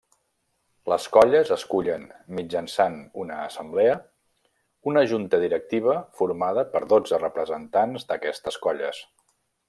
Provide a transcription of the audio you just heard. Les colles escullen, mitjançant una assemblea, una Junta Directiva formada per dotze representants d'aquestes colles.